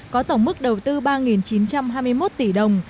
có tổng mức đầu tư ba chín trăm hai mươi một tỷ đồng